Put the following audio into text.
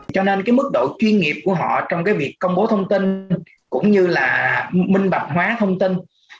cho nên cái mức độ chuyên nghiệp của họ trong cái việc công bố thông tin cũng như là minh bạch hóa thông tin